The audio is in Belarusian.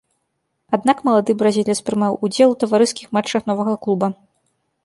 Аднак малады бразілец прымаў удзел у таварыскіх матчах новага клуба.